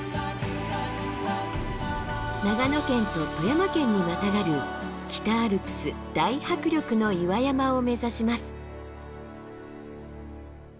長野県と富山県にまたがる北アルプス大迫力の岩山を目指します。